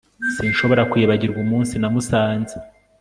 Sinshobora kwibagirwa umunsi namusanze